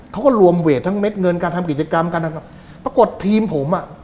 เขาก็รวมเวททั้งเม็ดเงินการทำกิจกรรมการทำปรากฏทีมผมอ่ะ